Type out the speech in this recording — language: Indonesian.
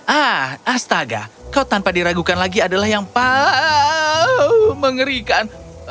ah astaga kau tanpa diragukan lagi adalah yang paa mengerikan